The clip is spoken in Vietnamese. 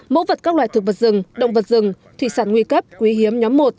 mẫu vật các loại thực vật rừng động vật rừng thủy sản nguy cấp quý hiếm nhóm một